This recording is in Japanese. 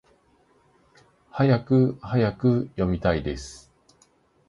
はやくはやく！読みたいです！